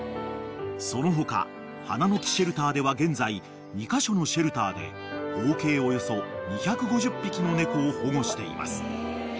［その他花の木シェルターでは現在２カ所のシェルターで合計およそ２５０匹の猫を保護しています］